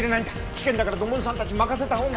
危険だから土門さんたちに任せた方が。